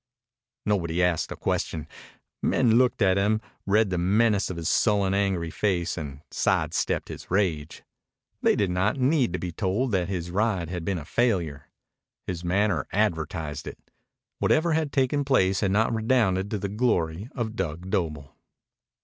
Nobody asked a question. Men looked at him, read the menace of his sullen, angry face, and side stepped his rage. They did not need to be told that his ride had been a failure. His manner advertised it. Whatever had taken place had not redounded to the glory of Dug Doble.